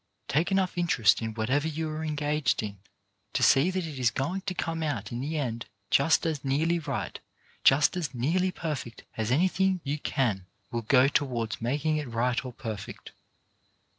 Take enough interest in whatever you are engaged in to see that it is going to come out in the end just as nearly right, just as nearly perfect, as anything you can do will go towards making it right or perfect.